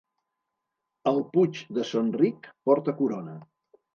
El Puig de Son Ric porta corona.